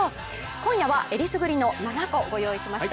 今夜は選りすぐりの７個御用意しました。